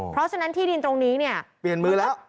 เพราะฉะนั้นที่ดินตรงนี้เนี่ยเปลี่ยนมือแล้ว